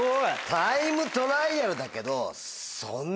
タイムトライアルだけど。